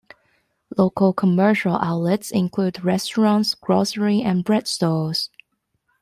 Local commercial outlets include restaurants, grocery and bread stores.